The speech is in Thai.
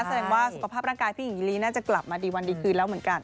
แสดงว่าสุขภาพร่างกายพี่หญิงลีน่าจะกลับมาดีวันดีคืนแล้วเหมือนกัน